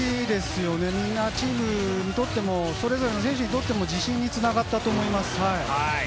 チームにとってもそれぞれの選手にとっても自信に繋がったと思います。